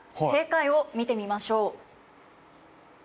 正解を見てみましょう。